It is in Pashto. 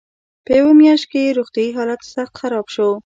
په یوه میاشت کې یې روغتیایي حالت سخت خراب شو.